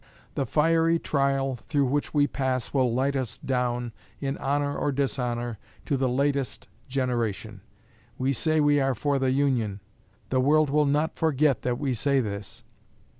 The fiery trial through which we pass will light us down, in honor or dishonor, to the latest generation. We say we are for the Union. The world will not forget that we say this.